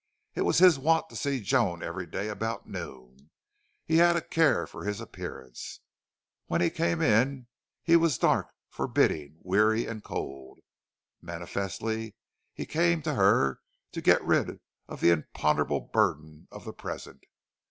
It was his wont to see Joan every day about noon. He had a care for his appearance. When he came in he was dark, forbidding, weary, and cold. Manifestly he came to her to get rid of the imponderable burden of the present.